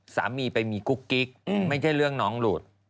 สามีไปมีกุ๊กกิ๊กไม่ใช่เรื่องน้องหลุด